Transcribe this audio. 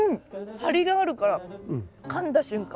張りがあるからかんだ瞬間